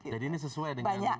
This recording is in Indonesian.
jadi ini sesuai dengan